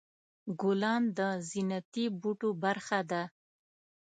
ګلان د زینتي بوټو برخه ده.